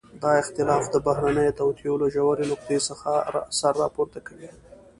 دا اختلاف د بهرنيو توطئو له ژورې نقطې څخه سر راپورته کوي.